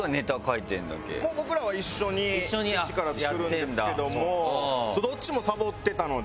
僕らは一緒に一から作るんですけども。